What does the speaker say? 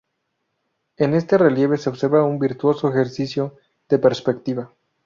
En este relieve se observa un virtuoso ejercicio de perspectiva.